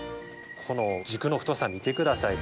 この軸の太さ見てください。